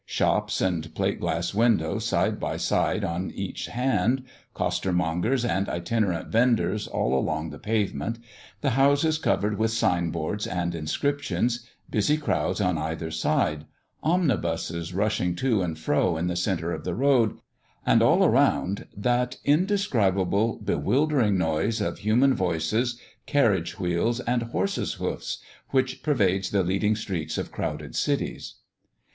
Shops and plate glass windows side by side on each hand; costermongers and itinerant vendors all along the pavement; the houses covered with signboards and inscriptions; busy crowds on either side; omnibuses rushing to and fro in the centre of the road, and all around that indescribable bewildering noise of human voices, carriage wheels, and horses' hoofs, which pervades the leading streets of crowded cities.